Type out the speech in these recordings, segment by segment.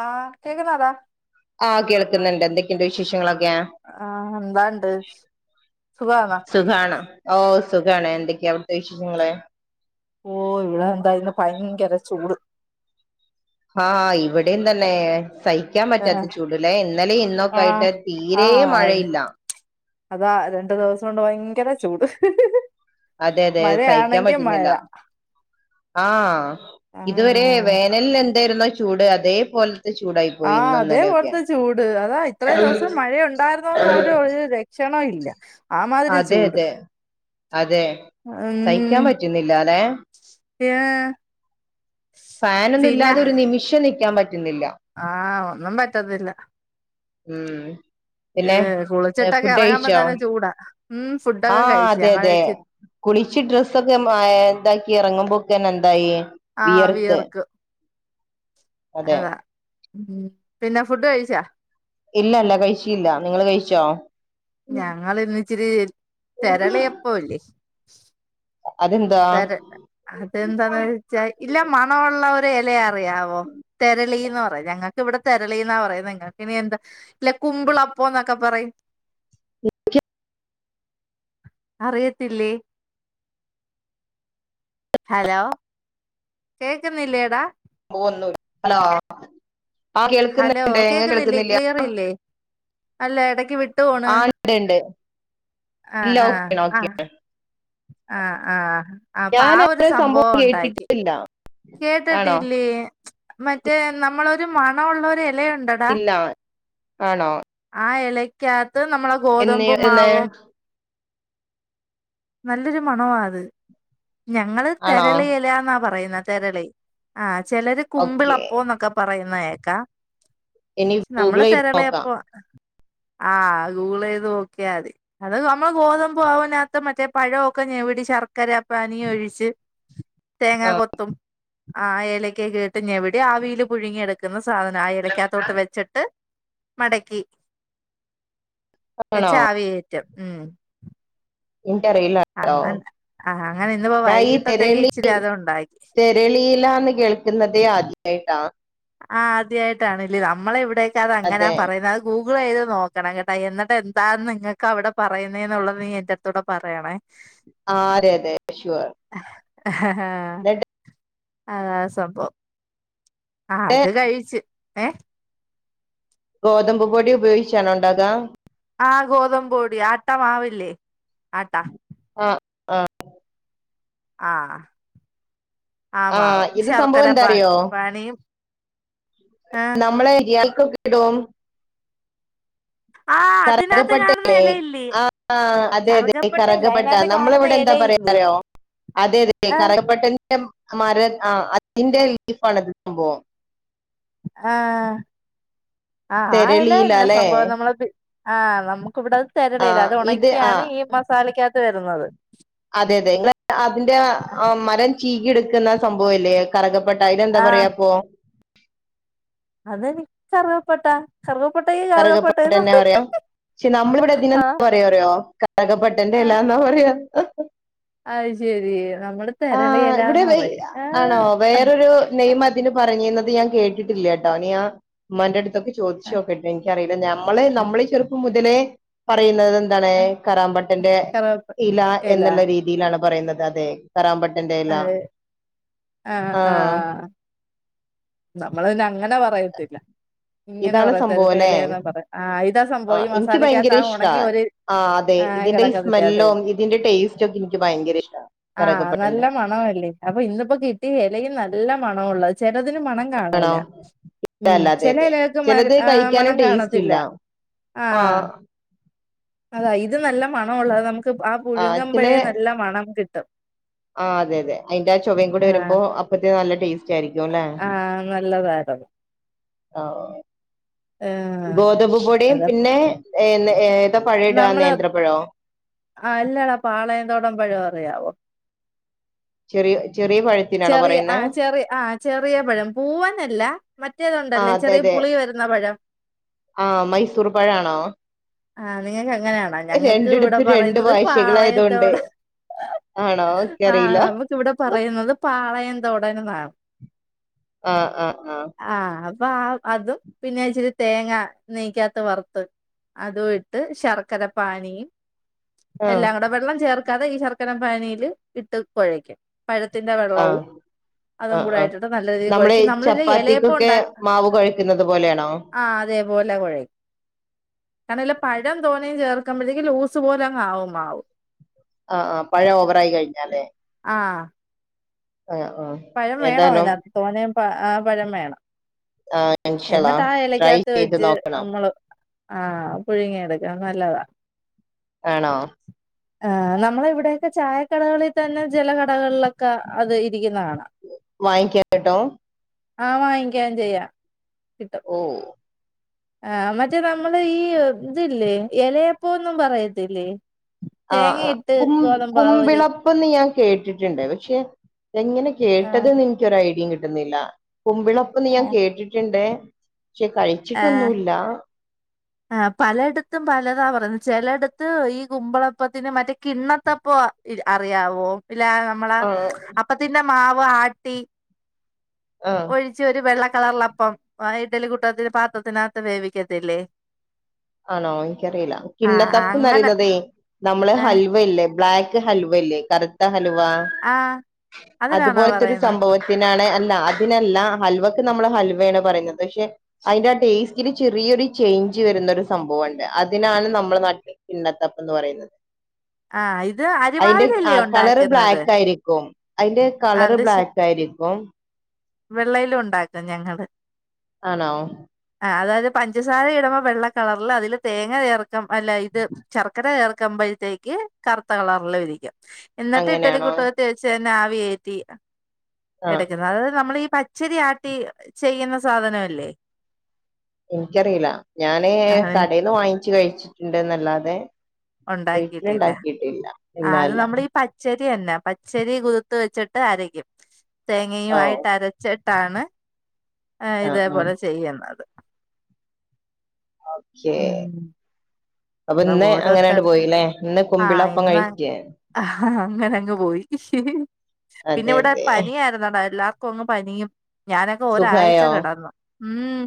ആഹ് കേക്കുന്നതാ ആഹ് കേൾക്കുന്നുണ്ട് എന്തൊക്കെയുണ്ട് വിശേഷങ്ങളൊക്കെ ആഹ് എന്താണ്ട് സുഖാണോ സുഖാണോ ഓഹ് സുഖാണ് എന്തൊക്കെയാ അവിടുത്തെ വിശേഷങ്ങള് ഓഹ് ഇവിടെ എന്തായിന്ന് ഭയങ്കര ചൂട് ആഹ് ഇവിടേം തന്നെ സഹിക്കാൻ ആഹ് പറ്റാത്ത ചൂട്ലേ ഇന്നലേം ആഹ് ഇന്നൊക്കായിട്ട് തീരെ ആഹ് മഴയില്ല അതാ രണ്ട് ദിവസോണ്ട് ഭയങ്കര ചൂട് അതെ അതെ സഹിക്കാൻ മഴയാണെങ്കി മഴ പറ്റുന്നില്ല ആ ഇതുവരെ ആഹ് വേനൽ ലെ ന്തേര്ന്നു ചൂട് അതേപോലെ ആഹ് അതേപോലത്തെ ചൂട് അതാ ഇത്രേം ദിവസം മഴയ ഉണ്ടായിര്ന്നൂന്ന് പോലും ഒരു ലക്ഷണോ ഇല് ല്ല അതെ അതെ അതെ സഹിക്കാൻ പറ്റുന്നില്ലല്ലെ യാ ഫാനൊന്നു ഇല്ലാതെ ഒരു നിമിഷം നിൽക്കാം പറ്റ് ആഹ് ഒന്നും പറ്റന്നില്ല മ് പിന്നെ കുളിച്ചിട്ടൊക്കെ ഇറങ്ങുമ്പോ ഫുഡൈച്ചോ തന്നെ ചൂടാ ഉം ഫുഡൊക്കെ ആഹ് കഴിച്ച് അതെ ഞങ്ങള് അതെ ഇച്ചി കുളിച്ച് ഡ്രെസ്സൊക്കെ മാ ഏ എന്താക്കി എറങ്ങുമ്പോ [unintelligible] എന്തായി ആഹ് വിയർത്ത് വിയർക്ക് അതെ അത മ് പിന്ന ഫുഡ്ഡ് കഴിച്ചാ ഇല്ലല്ല കഴിച്ചീല്ല. നിങ്ങള് കഴിച്ചോ? ഞങ്ങളിനിച്ചിരി തെരളിയപ്പൊ ഇല്ലേ അതെന്താ [inaudible] സാരമില്ല അത് എന്താന്ന് വെച്ചാൽ ഇല്ല മണം ഉള്ള ഒരു ഇലയാ അറിയാവോ തെരളീ എന്ന് പറയും ഞങ്ങക്ക് ഇവിടെ തെരളി എന്നാ പറയന്നെ നിങ്ങൾക്ക് ഇനി എന്താ ഇല്ല കുമ്പിള അപ്പം എന്നൊക്കെ പറയും [inaudible] അറിയത്തില്ലേ ഹലോ കേൾക്കുന്നില്ലേടാ ഒന്നുല്ല ഹലോ ആഹ് ഹലോ കേൾക്കുന്നുണ്ട് ഇങ്ങ കേക്കുന്നില്ലേ കേൾക്കുന്നില്ല ക്ലിയർ ഇല്ലേ അല്ല ഇടക്ക് [inaudible] ആ ഇണ്ട് ഇണ്ട് ഇല്ല ഓക്കേണ് ഓക്കേണ് ആഹ ആഹ അപ്പൊ ആ ഒരു അങ്ങനെ സംഭവം ഉണ്ടാക്കി കേട്ടിട്ടില്ല കേട്ടിട്ട് ആണോ ഇല്ലേ മറ്റേ നമ്മളൊരു മണം ഉള്ളവരെ ഇല്ല ആണോ ആ ഇലയ്ക്കാത്ത് ത്ത് നമ്മളെ ആ എന്ന് ഗോതമ്പ് എന്ന് മാവും നല്ലൊരു മണവാ അത് ഞങ്ങള് ആണോ തെരളിയിലാ എന്നാ പറയുന്നത് തെരളി ആഹ ചിലര് ഓക്കെ കുമ്പിളപ്പോ എന്നൊക്കെ പറയും ന്നയക്ക [unintelligible] ഇനി ഗൂഗിളത് നോക്കാം ആഹ ഗൂഗിൾ ചെയ്ത് നോക്കിയാതി അത് നമ്മള് ഗോതമ്പ് മാവ് മത്ത മറ്റേ പഴമൊക്കെ ഞവിടി ചർക്ക ശർക്കരാപ്പാനിയം ഒഴിച്ച് തേങ്ങാ ആഹ് കൊത്തും ആ എലയ്ക്ക കേട്ട് ഞവിടി ആവിയിൽ പുഴുങ്ങി എടുക്കുന്ന സാധനം ആ ഇലയ്ക്കാത്തൊട്ട് വെച്ചിട്ട് മടക്കി ആണോ വെച്ച് ആവി കേറ്റും ഉം നിന്റെ അറിവിൽ ഉണ്ടോ അങ്ങനെ ആഹ് അങ്ങനെ ഇന്നിപ്പോ ഞാൻ ഈ വൈകിട്ടത്തേക്ക് തെരളി ഇച്ചിരി അത് ഉണ്ടാക്കി തെരളിയിലാന്ന് കേൾക്കുന്നുന്നതെ ആ [unintelligible] ആ ആദ്യായിട്ടാണ്ല്ലേ നമ്മളെ ഇവി പ്രേത്യേകിച്ചു അങ്ങനെയാ അതെ പറയുന്നെ ആ ഗൂ ഗൂഗിള് ചെയ്ത് നോക്കണം കേട്ടാ എന്നിട്ട് എന്താ നിങ്ങൾക്ക് അവിടെ പറയുന്നെ എന്നുള്ളത് നീ എന്റെടുത്തുടെ പറയണേ ആ അതെ അതെ ഷുവർ ഹ് ആ ആഹ് എന്നിട്ട് അതാ സംഭവം ആ അത് കഴിച്ചു ഏഹ് ഗോതമ്പ് പൊടി ഉപയോഗിച്ചണോ ഉണ്ടാക്കാ ആ ഗോതമ്പു പൊടി ആട്ട മാവില്ലേ ആട്ടാ ആഹ് ആ ആഹ് ആ മാവ് ഇത് സംഭവം ശർക്കര പാ എന്താറിയോ പാന്നിയും നമ്മളെ [unintelligible] [unintelligible] ആഹ് അതിനകത്ത് കാണുന്ന കറകപ്പട്ടല്ലേ ഇലയില്ലേ ആ അതെതെ കറുകപ്പട്ടയല്ല കറകപട്ട അതിനകത്ത് നമ്മള് കാണുന്ന ഇവിടെ എന്താ ഇലയില്ലേ പറയാറോ അതെതെ ആഹ് കറകപട്ട നെ മര ആ അതിന്റെ ലീഫാണ് അത് സംഭവം ആഹ് ആഹ് ഇല തെരളീല ഇന്ന അല്ലെ സംഭവം നമ്മളെ ആഹ് നമ്മു കുവിടെ ആ തരളില അത് ഇത് ആ ഉണക്കിയാണ് ഈ മസാലക്ക് അക തെരുന്നത് അതെ അതെ നിങ്ങള് ആ അതിന്റെ ആ മരം ചീകെടുക്കുന്ന സംഭവം അല്ലേ കറിക ട്ടാ ഇതെന്താ പറയാപ്പൊ അതെനിക്ക് കറകപ്പട്ടാ കരകപ്പട്ടന്നെ പറയാ പക്ഷെ നമ്മളിവിടെതിനെ എന്താ ആഹ് പറയാ അറിയുമോ കറികപട്ടന്റെ ആഹ് ഇല എന്നാ പറയാറ് [unintelligible] അത് ശരിയാ ആ ഇവിടെ ആണോ ആഹ് വേറൊരു നെയിം അതിന് പറഞ്ഞിരുന്നത് ത് ഞാൻ കേട്ടിട്ടില്ല കേട്ടോ ഇനി ആ ഉമ്മന്റെ അടുത്തൊക്കെ ആഹ് ചോദിച്ചോക്കെട്ട് എനിക്കറിയില്ല നമ്മള് ആഹ് നമ്മള് ചെറുപ്പം ഇതിനെ പറയുന്നത് എന്താണ് ആഹ് കറാമ്പട്ടന്റെ കറുവപ്പ ഇല എല എന്നുള്ള രീതിയിലാണ് പറയുന്നത് അതെ കരാൻമ്പട്ട ഏറെ എല ആഹ് ആഹ് നമ്മള് അങ്ങന പറയത്തില്ല ഇങ്ങനെ ഇതാണ് സംഭവം പറയ അല്ലേ ഇലേന്നാ പറയാ ആ ഇതാ സംഭ ആഹ് എനിക്ക് ഭയങ്കര മസാലക്കകത്ത് ഇഷ്ടാ ഉണങ്ങി ആഹ് അതെ ഇതിന്റെ ഈ കിടക്കത്തില്ലേ അത സ്മെല്ലും ഇതിന്റെ ടേസ്റ്റും ഒക്കെ എനിക്ക് ഭയങ്കര ഇഷ്ടാ ആ നല്ല കറുകപ്പട്ടന്റെ മണല്ലേ അപ്പൊ ഇന്നിപ്പോ കിട്ടിയ ഇലയും നല്ല പണൊള്ളത് അതിന് മണം ആണോ കാണൂല ഉം അല്ല അതെ ചില അതെ ഇലക്ക് ചിലത് കഴിക്കാനും മണം ടേസ്റ്റ് കാണത്തില്ല ഇല്ല ആഹ ആഹ് അതാ ഇത് നല്ല മണം ഉള്ളത് നമുക്ക് ആ പുഴുങ്ങുമ്പോഴേ നല്ല മണം കിട്ടും ആ അതെ അതെ അതിന്റെ ആ ചൊവയും കൂടെ ആഹ് വരുമ്പോ അപ്പത്തെ നല്ല ടേസ്റ്റ് ആയിരിക്കും അല്ലെ ആഹ് നല്ലതായിരുന്നു ആഹ് ആഹ് ഗോതമ്പ് പൊടിയും അത പിന്നെ ഏ പഴം ഇടുക നമ്മള് നേന്ത്രപ്പഴോ ആ അല്ലടാ പാളയംന്തോടമ്പഴം അറിയാവോ ശെരി ചെറിയ ആ ചെറിയ ആഹ് ചെറിയ പഴം പൂവൻല്ല മറ്റേതുണ്ടല്ലേ ചെറിയ പുളി വരുന്ന പഴം ആ മൈസൂർ പഴാണോ ആഹ് നിങ്ങൾക്ക് അങ്ങനെയാണോ ഞങ്ങൾക്ക് ഇവിടെ രണ്ടിടത്ത് രണ്ട് പറയുന്നത് ഭാഷകളായത് പാളയത്തോട കൊണ്ടേ ആണോ എൻക്ക് അറിയില്ല പാളയംന്തോടനെന്നാണ് ങാ ങാ ങാ അപ്പ ആ അതും പിന്നെ ഇച്ചിരി തേങ്ങ നെയ്ക്കാത്ത് വറുത്ത് അതും ഇട്ട് ശർക്കര പാനീം ആഹ് ആഹ് എല്ലാം കൂടെ വെള്ളം ചേർക്ക അത് ഈ ശർക്കര പാനീൽ ഇട്ട് കുഴക്കും പഴത്തി ൻറെ വെള്ളവും ആഹ് അതും ആഹ് ആഹ് കൂടായിട്ടിട്ട് നല്ല രീതിയിൽ നമ്മള് കുഴച്ച് ഈ നമ്മളീ ഇലയപ്പം ഉണ്ട ചപ്പാത്തിക്കൊക്കെ മാവ് കുഴക്കുന്നത് പോലെയാണോ ആ അതേപോലല കുഴ കാരണംല്ല പഴം തോനേം ചേർക്കുമ്പോഴേക്കും ലൂസ് പോലെ അങ്ങാവും മാവും ആഹ ആ പഴം ഓവറായി കഴിഞ്ഞാലേ ആഹ് ആഹ് ആഹ് പഴം വേണോ ഏതായാലും അതിനകത്ത് തോനേം ആ പഴം വേണം ആ ഇൻഷള എന്നിട്ട് ആ ട്രൈ ഇലക്കകത്ത് ചെയ്ത് വെച്ച് നോക്കണം നമ്മള് ആഹ് പുഴുങ്ങി എടുക്കാം നല്ലതാ ആണോ ആ നമ്മള ഇവിടൊക്കെ ചായക്കടകളിൽ തന്നെ ചയല കടകളിലൊക്കെ അത് ഇരിക്കുന്നു വാങ്ങിക്കാ കേട്ടോ ആ വാങ്ങിക്കാൻ ചെയ്യാ ഓ ആഹ മറ്റേ നമ്മള് ഈ ഇതില്ലേ ഇലയപ്പോന്നും പറയത്തില്ലേ ആ തേങ്ങയിട്ട് കും ഗോതമ്പാവല് കുംപിളപ്പന്ന് ഞാൻ കേട്ടിട്ടുണ്ട് പക്ഷേ എങ്ങനെ കേട്ടത് ആഹ് എനക്ക് ഒരു ഐഡിയം കിട്ടുന്നില്ല ഇന്നില്ല കുമ്പിളപ്പന്ന് ഞാൻ കേട്ടിട്ടുണ്ട് പക്ഷെ കഴിച്ചിട്ടൊന്നുമില്ല ആ പലയിടത്തും പലതാ പറയുന്നത് ചിലടത്ത് ഈ കുമ്പളപ്പത്തിന് മറ്റേ കിണ്ണത്തപ്പം അറിയാവോ ഇല്ല നമ്മള ആഹ് അപ്പത്തിന്റെ മാവ് ആ ട്ടി ആഹ് ഒഴിച്ച് ഒരു വെള്ള കളറിലപ്പം ഇഡല കൂട്ടത്തിന്റെ പാത്രത്തിനകത്ത് വേവിക്കത്തില്ലേ ആണോ എനിക്കറിയില്ല ആഹ് അങ്ങനെ കിണ്ണത്തപ്പ്ന്ന്റിയുന്നതേ നമ്മള് ആഹ് ഹൽവല്ലേ ബ്ലാക്ക് ഹൽവല്ലേ കറത്ത ഹലവാ ആഹ് അതിനാണോ അതുപോലത്തെരു പറയുന്ന സംഭവത്തിനാണ് അല്ല അതിനല്ല ഹൽവക്ക് നമ്മൾ ഹൽവയാണ് പറയുന്നത് പക്ഷെ അതിന്റെ ആ ടേസ്റ്റില് ചെറിയൊരു ചേഞ്ച് വരുന്ന സംഭവംണ്ട് അതിനാണ് നമ്മളുടെ നാട്ടിൽ കിണ്ണ ത്തപ്പന്ന് പറയുന്നത് ആഇത് അരുമാവി അതിന്റെ ആ ലല്ലേ കളറ് ഉണ്ടാക്കുന്നത് ബ്ലാക്ക് ആയിരിക്കും അതിന്റെ കളറ് ബ്ലാക്ക് ആയിരിക്കും വെള്ളയില ഉണ്ടാക്കും ഞങ്ങള് ആണോ ആ അതായത് പഞ്ചസാര ഇടമ്പോ വെള്ള കളറിൽ അതില് തേങ്ങ ചേർക്ക അല്ല ഇത് ശർക്കര ചേർ വക്കുമ്പഴത്തേക്ക് കറുത്ത കളറില് ഇരിക്കും എന്നിട്ട് ഇട്ടലി അങ്ങനെയാണോ കൂട്ടത്തി വെച്ച ആ വി കേ [unintelligible] ആ എടക്കുന്നത് അത് നമ്മൾ ഈ പ - - പച്ചരി ആട്ടി ചെയ്യുന്ന സാധനംല്ലേ എനിക്കറിയില്ല ഞാന് ആ കടേന്ന് വാങ്ങി കഴിച്ചിട്ടുണ്ട് എന്നല്ലാതെ ഉണ്ടാക്കിട്ടില്ല ആ ഇല്ല അത് ഇല്ല നമ്മൾ പച്ച ചന്നെ പച്ചരി കുതിത്ത് വെച്ചിട്ട് അരക്കും ഓ തേങ്ങയും ആയിട്ട് അരച്ച് ട്ടാണ് ആ ആഹ് ഇതേപോലെ ചെയ്യുന്നത് ഓക്കെ ഉം അപ്പൊ അത് ഇന്ന് അങ്ങനെയണ്ട് ഓരോരുത്തടുത്ത് പോയില്ലേ ഇന്ന് ആ കുമ്പിളപ്പം ഇന്ന കഴിച്ചേ ആ അങ്ങനെങ്ങ് പോയി പിന്നെ അതെ ഇവിടെ അതെ പനിയിരുന്നടാ എല്ലാർക്കും [unintelligible] ഇപ്പോൾ ആഗ് പനിയും ഞാനൊക്കെ ഒരാഴ്ച സുഖായോ കിടന്നു ഊം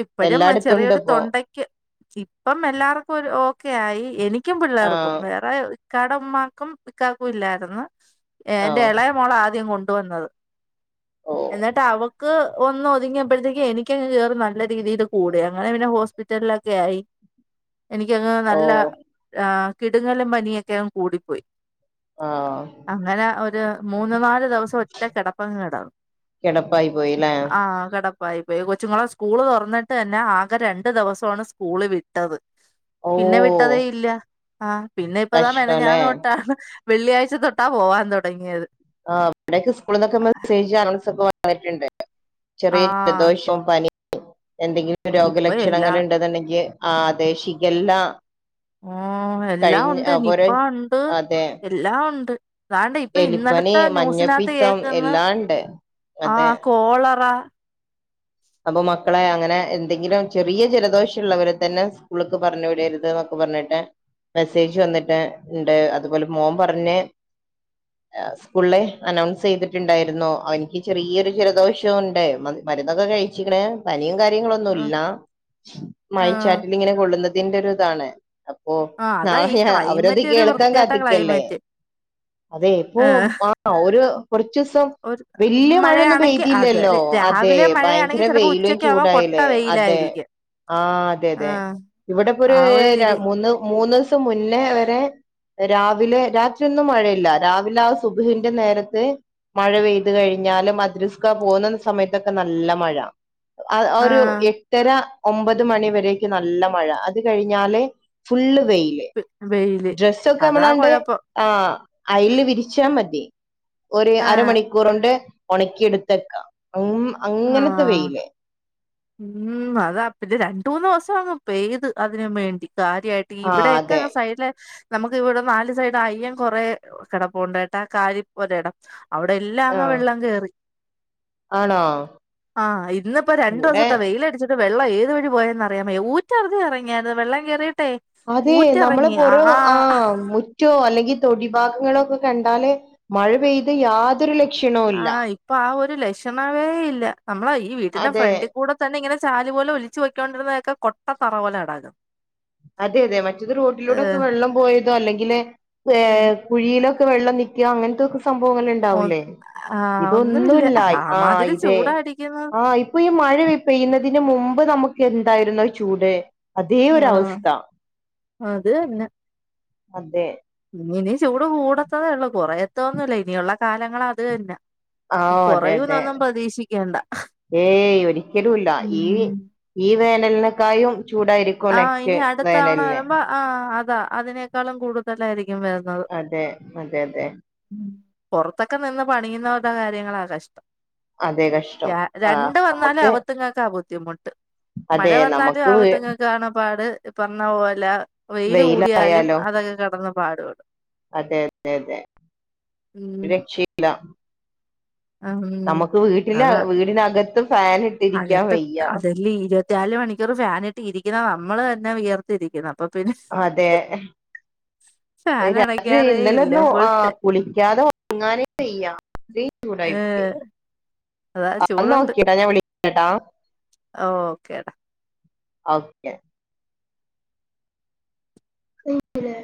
ഇപ്പഴും എല്ലായിടത്തും ചെറിയൊരു [unintelligible] ഉണ്ട്പ്പോ തൊണ്ടക്ക് ഇപ്പം എല്ലാർക്കുംഒരു ഓക്കെ ആയി എനി എനിക്കും പിള്ളേർക്കും ആഹ് വേറെ ഇക്കാടെ ഉമ്മാക്കും ഇക്കാക്കുല്ലായിരുന്നു എ ഓ എന്റെ ഇളയ മോള ആദ്യം കൊണ്ട് ഇട്ട് വന്നത് ഓ എന്നിട്ട് അവ [unintelligible] ഒന്ന് ഒന്ന് ഒതുങ്ങിയപ്പോഴത്തേക്ക് എനിക്ക് ഒന്ന് നല്ല രീതിയിൽ കൂടീ അങ്ങനെ പിന്നെ [unintelligible] ഹോസ്പിറ്റലിൽ ഒക്കെ ആയി ഓ എനിക്കങ്ങ്നല്ല ആ [unintelligible] കിടുങ്ങലും പനിയൊക്കെഅങ് കൂടിപ്പോയി ആഹ് അങ്ങന ഒരു മൂന്ന് നാല് ഒരുദിവസം ഒറ്റ കിടപ്പങ് കിടന്നു കിടപ്പായി പോയില്ലേ ആ കിടപ്പ് [unintelligible] ഇതായി പോയി [unintelligible] കൊച്ചുങ്ങളെ സ്കൂള് തുറന്നിട്ട് തന്നെ ആ [unintelligible] രണ്ടു ദിവസമാണ് സ്കൂള് വിട്ടത് [unintelligible] ഓ പിന്നെ വിട്ടതേ ഇല്ല അ പിന്നെ ഇപ്പതാ കഷ്ടല്ലേ മിനിഞ്ഞാന്ന് തൊട്ടണേ [unintelligible] വെള്ളിയാഴ്ച തൊട്ടാ പോവാൻ തുടങ്ങിയത് ആ ഇവിടെയൊക്കെ സ്കൂളിൽന്നൊക്കെ മെസേജ് അനൗൺസ് ഒക്കെ വന്നി [unintelligible] പറിട്ടുണ്ട് [unintelligible] ചെറിയ ആഹ് ജലദോഷവും പനി എന്തെങ്കിലും ഇപ്പൊ എല്ലാ രോഗലക്ഷണങ്ങൾ ഉണ്ട്ന്ന്ണ്ടെങ്കിൽ ആ അതെ ഷിഗല്ല ഓ എല്ലാം കഴിഞ്ഞ ഉണ്ട് നിപ്പ ഓരോ ഉണ്ട് അതെ എല്ലാം ഉണ്ട് അതാണ്ട് ഇപ്പൊ എലിപ്പനി ഇന്നലത്തെ ന്യൂസിനകത്ത് [unintelligible] മഞ്ഞപ്പിത്തം കേൾക്കുന്നു എല്ലാം ഉണ്ട് അതെ ആഹ് കൊളറ അപ്പൊ മക്കളെ അങ്ങനെ എന്തെങ്കിലും ചെറിയ ജലദോഷം ഉള്ളവരെ തന്നെ സ്കൂളക്ക് പറഞ്ഞു വിടരുത് എന്നൊക്കെ പറഞ്ഞിട്ട് മെസ്സേജ് വന്നിട്ട് ഉണ്ട് അതുപോലെ മോൻ പറഞ്ഞ് സ്കൂൾ അനൗൺസ് ചെയ്തിട്ടുണ്ടായിരുന്നു അവരിക്ക് ചെറിയൊരു ജലദോഷവും ഉണ്ട് മരുന്നൊക്കെ കഴി കഴിച്ചിക്കാണ് പനിയും കാര്യങ്ങളും കാര്യങ്ങള്ളന്നും ആഹ് ഇല്ല ആഹ് മഴചാറ്റിൽ എങ്ങനെ [unintelligible] ഇതിന്റെ ഒരു ഇതാണ് ഓ ആഹ് അതാ ഈ നാളെയ അവരത് ക്ലൈമറ്റ് ഒരു കേൾക്കാൻ വൃത്തികെട്ട കാത്തിക്കല്ലേ ക്ലൈമറ്റ് അതെ ഇപ്പൊ ഏഹ് ആഹ് ഒരു കുറച്ച ദിവസം ഒരു വലിയ മഴയൊന്നും മഴയാണെങ്കി പെയ്തില്ലല്ലോ അതല്ലേ അതെ രാവിലെ മഴയാണെങ്കി ചെലപ്പോ വെയില്ല് ഉച്ചക്കാവുമ്പോ ചൂട് കൊട്ട ആയില്ലേ അതെ വെയിലായിരിക്കും ആഹ് അതെ അതെ ആഹ് എവിടെ എപ്പോ ഒരു ആ ര രീതി മുന്ന് മുന്ന് ദിവസം മുന്നേ അവരെ രാവിലെ രാത്രീഒന്നും മഴയില്ല രാവിലെ ആഹ് [unintelligible] നേരത്ത് മഴ പെയ്ത് കഴിഞ്ഞാല് മദ്രസ്ക പോകുന്ന സമയത്തൊക്കെ നല്ല മഴ ആഹ് ഒരു എട്ടര ഒമ്പത് മണി വരേക്കെ നല്ല മഴ അത് കഴിഞ്ഞാല് ഫുള്ള് വെയിൽ വെ വെയില് ഡ്രസൊക്കെ അതാ നമ്മളന്റെ കൊഴപ്പം ആഹ് അയലിൽ വിരിച്ചാൻ മതി ഒരു ആഹ് അരമണിക്കൂറുണ്ട് ഉണക്കിെടുത്തേക്ക ഉം അങ്ങനെ ആഹ് ഉം അതാ അപ്പോഴിതെക്കും രണ്ട മൂന്ന് ദിവസം മൊത്തം അങ്ങ് പെയിത് അതിന്നും വേണ്ടി കാര്യയിട്ട് ആ ഇവിടെൊക്കെ അതെ സൈഡില നമുക്ക് ഇവിടെ നാല് സൈഡ് അയ്യം കുറെ കിടപ്പുണ്ടായിട്ട കാരി ഒരേടം അവിടെ എല്ലാം ആ അങ്ങ് വെള്ളം കേറി ആണോ ആഹ് ഇന്നിപ്പോ രണ്ടു ഇവിടെ ദിവസത്തെ വെയിലടിച്ചി ഇത് വെള്ളം ഏത് വഴി പോയെന്നറിയാമയ ഊറ്റാറുതി ഇറങ്ങിയാത്ത് വെള്ളം കയറി അതെ നമ്മളെ പോരം ആഹ് മുറ്റേ അല്ലെങ്കിൽ തൊടി ഭാഗങ്ങളോക്കെ കണ്ടാല് മഴ പെയിത് യാതൊരു ലക്ഷണവും ഇല്ല ആഹ് ഇപ്പൊ ആ ഒരു ലക്ഷണവേ ഇല്ല നമ്മളെ ഈ വീട്ടന്റെ അതെ ഫ്രണ്ടിൽ കൂടെ തന്നെ ഇങ്ങനെ ചാലുപോലെ ഒലിച്ച് [unintelligible] കൊട്ട തറ പോലെ കിടക്കുന്നു അതെ അതെ മറ്റത് റോട്ടിലൂടൊക്കെ വെള്ളം പോയത് തോ അല്ലെങ്കില് ഏ കുഴിയിലൊ വെള്ളം നിക്ക അങ്ങനത്തൊക്കെ സംഭവങ്ങൾ ഒ ഉണ്ടാവൂല്ലേ ആഹ് ഒന്നുമില്ല. ഇതൊന്നുല്ല ആ ആമാതിരി ഇതെ ചൂടാ അടിക്കുന്നത്. ആ ഇപ്പൊ ഈ മഴ പെയ്യുന്നതിന് മുമ്പ് നമുക്ക എന്തായിരുന്നു ചൂട് അതേ ആഹ് ഒരവസ്ഥ അത് തന്നെ അതെ ഇനി ചൂട് കൂടത്തതേ ഉള്ളൂ കുറയത്തത് ഒന്നുല്ല ഇനിയുള്ള കാലങ്ങള് അത് തന്നെ ആ ഇനി അതെ അതെ കൊറയൂന്നൊന്നും പ്രതീക്ഷിക്കേണ്ട. ഏയ് ഒരിക്കലും ഇല്ല ഈ ഉം. ഈ വേനല് തെന്നെക്കായും ചൂടായിരിക്കും ആഹ് നെക്സ്റ്റ് ഇനി അടുത്ത തവണ വേനലിന് വരുമ്പോ ആഹ് അതാ അതിനേക്കാളും കൂടുതലായിരിക്കും യ്ക്കും വരുന്നത് അതെ അതെ അതെ പൊറത്തൊക്കെ നിന്ന് പണിയുന്നവരുടെ കാര്യം ര്യങ്ങളാ കഷ് അതെ ര കഷ്ടം ആഹ് രണ്ട് വന്നാലും നമുക്ക് അവത്തുങ്ങക്കാ ബു ദ്ധിമുട്ട് അതെ നമ്മക്ക് വീ പാട് പറഞ്ഞ പോലാ വെയിലായാലോ പാടുപെടും. അതെ അതെ അതെ രക്ഷയില്ല ആ നമുക്ക് വീട്ടില് അതാ വീടിനകത്ത് ഫാൻ ഇട്ടിരിക്കാൻ അകത്ത് വയ്യ അതെല്ലി ഇരുപത്തിനാല് മണിക്കൂർ ഫാൻ ഇട്ട് ഇരി ക്കുന്ന നമ്മള് തന്നെ വിയർത്തിരിക്കണം അതെ ഫാൻ രാത്രി അണയ്ക്കാറേ ഇല്ല ഇന്നലെയൊന്നും ഫുൾ ആ കുളിക്കാതെ ഒറങ്ങാനെ വയ്യ [unintelligible] ആ ന്നാ ഓക്കേട ഞാൻ വിളി എടാ ആ ഓക്കേടാ ഓക്കെ വീട്ടില്